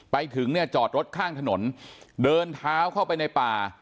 ไปถึงเนี่ยจอดรถข้างถนนเดินเท้าเข้าไปในป่า